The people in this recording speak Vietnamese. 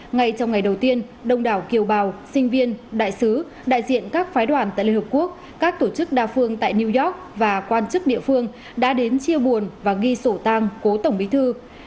ngay trong ngày đầu tiên đông đảo kiều bào sinh viên đại sứ đại diện các phái đoàn tại liên hợp quốc các tổ chức đa phương tại new york và quan chức địa phương đã đến chia buồn và ghi sổ tang cố tổng bí thư